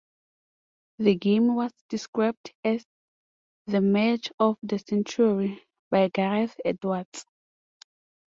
The game was described as "the match of the century" by Gareth Edwards.